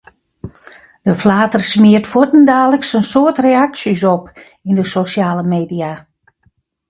De flater smiet fuortendaliks in soad reaksjes op yn de sosjale media.